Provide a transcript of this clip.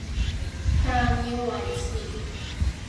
但要維持